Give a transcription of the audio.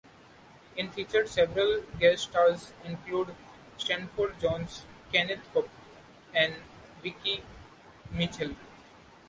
It featured several guest stars including Stratford Johns, Kenneth Cope and Vicki Michelle.